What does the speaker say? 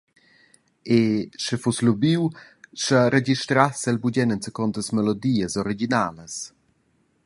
E, sch’ei fuss lubiu, sche registrassi el bugen enzacontas melodias originalas.